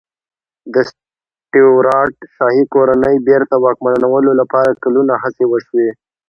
د سټیوراټ شاهي کورنۍ بېرته واکمنولو لپاره کلونه هڅې وشوې.